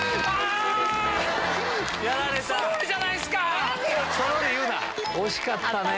あ！惜しかったね。